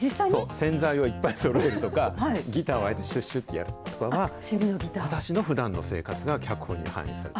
洗剤をいっぱいそろえるとか、ギターはああやって、しゅっしゅってやるのは、私のふだんの生活が脚本に反映されてる。